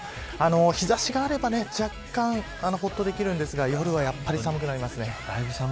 日差しがあれば若干、ほっとできるんですが夜は、やっぱり寒くなりますね。